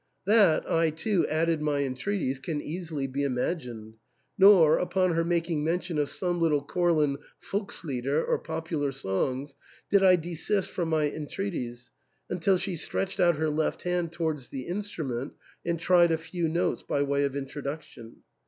That I too added my entreaties can easily be imagined ; nor, upon her making mention of some little Courland Volkslieder or popular songs, did I desist from my en treaties until she stretched out her left hand towards the instrument and tried a few notes by way of intro duction.